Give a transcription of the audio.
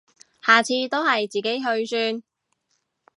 下次都係自己去算